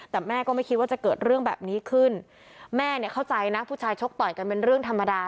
แต่แม่ก็ไม่คิดว่าจะเกิดเรื่องแบบนี้ขึ้นแม่เนี่ยเข้าใจนะผู้ชายชกต่อยกันเป็นเรื่องธรรมดา